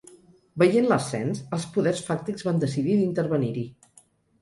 Veient l’ascens, els poders fàctics van decidir d’intervenir-hi.